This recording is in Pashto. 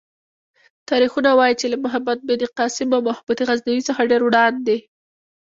تاریخونه وايي چې له محمد بن قاسم او محمود غزنوي څخه ډېر وړاندې.